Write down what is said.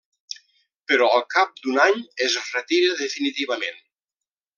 Però al cap d'un any es retira definitivament.